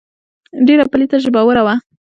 ډېره پليته ژبوره وه.